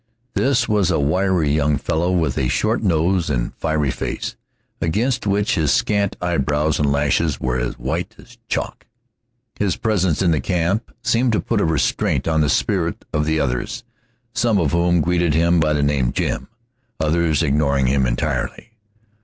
This was a wiry young fellow with a short nose and fiery face, against which his scant eyebrows and lashes were as white as chalk. His presence in the camp seemed to put a restraint on the spirits of the others, some of whom greeted him by the name Jim, others ignoring him entirely.